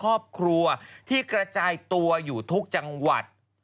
ครอบครัวที่กระจายตัวอยู่ทุกจังหวัด